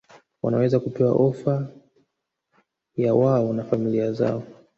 wanaweza kupewa ofa yawao na familia zao